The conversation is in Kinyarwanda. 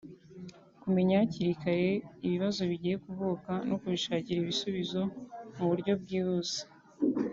kumenya hakiri kare ibibazo bigiye kuvuka no kubishakira ibisubizo mu buryo bwihuse"